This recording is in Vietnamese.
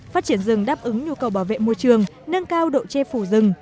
phát triển rừng đáp ứng nhu cầu bảo vệ môi trường nâng cao độ che phủ rừng